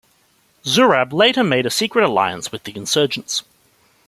Zurab later made a secret alliance with the insurgents.